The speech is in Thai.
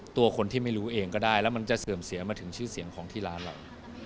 ตัวคนที่ไม่รู้เองก็ได้แล้วมันจะเสื่อมเสียมาถึงชื่อเสียงของที่ร้านเรา